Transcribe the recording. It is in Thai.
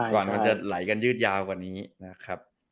มันจะไหลกันยืดยาวกว่านี้นะครับ